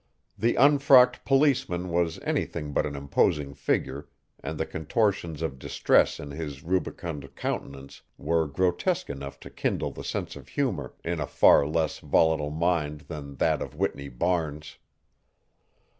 The unfrocked policeman was anything but an imposing figure and the contortions of distress in his rubicund countenance were grotesque enough to kindle the sense of humor in a far less volatile mind than that of Whitney Barnes.